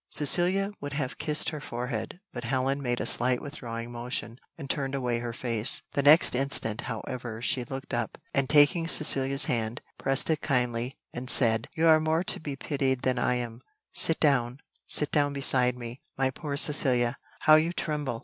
Cecilia would have kissed her forehead, but Helen made a slight withdrawing motion, and turned away her face: the next instant, however, she looked up, and taking Cecilia's hand, pressed it kindly, and said, "You are more to be pitied than I am; sit down, sit down beside me, my poor Cecilia; how you tremble!